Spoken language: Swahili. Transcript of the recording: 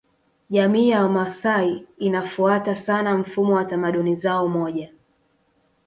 Jamii ya Wamasai inafuata sana mfumo wa tamaduni zao moja